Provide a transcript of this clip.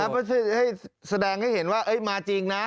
ประสิทธิ์ให้สแดงให้เห็นว่าเอ๊ะมาจริงนะ